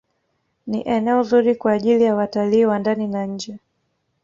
Ni eneo zuri kwa ajili ya watalii wa ndani na nje